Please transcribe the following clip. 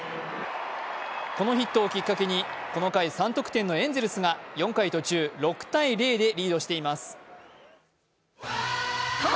このヒットをきっかけにこの回３得点のエンゼルスが４回途中、６−０でリードしています。